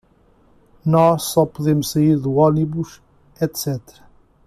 Nós só podemos sair do ônibus, etc.